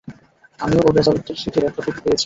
আমিও ওর রেজাল্ট শিটের একটা কপি পেয়েছি!